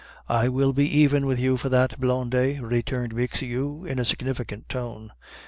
"I will be even with you for that, Blondet," returned Bixiou in a significant tone.